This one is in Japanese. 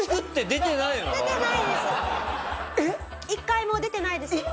１回も出てないんですよ。